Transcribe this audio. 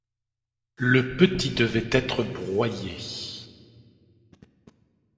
Le petit devait être broyé.